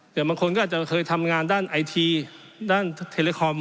แต่บางคนก็อาจจะเคยทำงานด้านไอทีด้านเทเลคอม